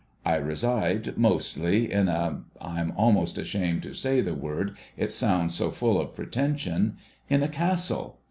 I reside, mostly, in a — I am almost asliamed to say the word, it sounds so full of pre tension— in a Castle.